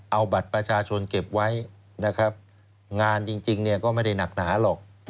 เอาบัตรประชาชนเก็บไว้นะครับงานจริงเนี่ยก็ไม่ได้หนักหนาหรอก